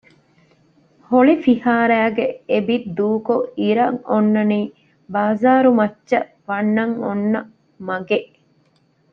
ހޮޅި ފިހާރައިގެ އެ ބިތް ދޫކޮށް އިރަށް އޮންނަނީ ބާޒާރުމައްޗަށް ވަންނަން އޮންނަ މަގެއް